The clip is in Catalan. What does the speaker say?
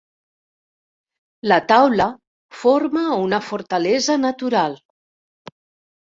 La taula forma una fortalesa natural.